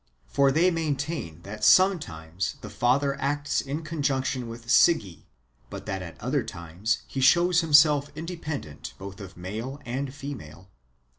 For they maintain that sometimes the Father acts in conjunction with Sige, but that at other times he shows himself independent both of male and female.